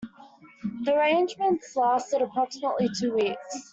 The arrangement lasted approximately two weeks.